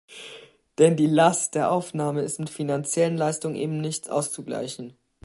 Denn die Last der Aufnahme ist mit finanziellen Leistungen eben nicht auszugleichen.